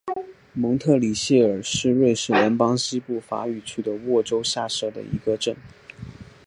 蒙特里谢尔是瑞士联邦西部法语区的沃州下设的一个镇。